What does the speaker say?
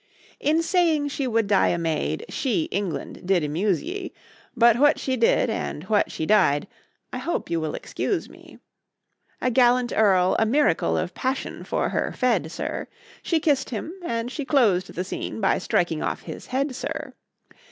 In saying she would die a maid, she, England! did amuse ye. But what she did, and what she died—I hope you will excuse me: A gallant Earl a miracle of passion for her fed, sir; She kiss'd him, and she clos'd the scene by striking off his head, sir!